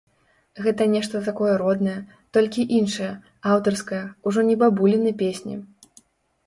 Гэта нешта такое роднае, толькі іншае, аўтарскае, ужо не бабуліны песні.